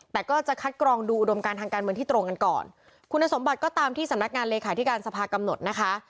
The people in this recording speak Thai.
แต่ก็จะคัดกรองดูอุดมการทางการเมืองที่ตรงกันก่อนคุณสมบัติก็ตามที่สำนักงานเลขาธิการสภากำหนดนะคะ